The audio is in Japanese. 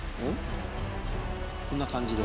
こんな感じで。